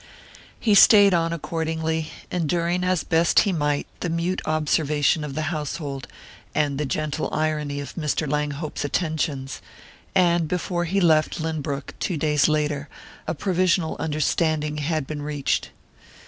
He stayed on accordingly, enduring as best he might the mute observation of the household, and the gentle irony of Mr. Langhope's attentions; and before he left Lynbrook, two days later, a provisional understanding had been reached.